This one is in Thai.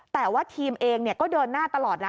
แต่ว่าทีมเองก็เดินหน้าตลอดนะ